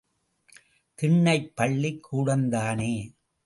திண்ணைப் பள்ளிக் கூடந்தானே.